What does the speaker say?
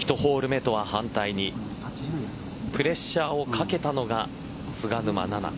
１ホール目とは反対にプレッシャーをかけたのが菅沼菜々。